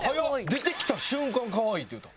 出てきた瞬間「カワイイ」って言うた。